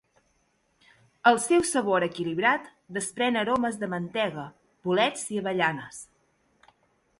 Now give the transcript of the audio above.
El seu sabor equilibrat desprèn aromes de mantega, bolets i avellanes.